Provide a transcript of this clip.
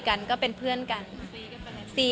คุณแม่มะม่ากับมะมี่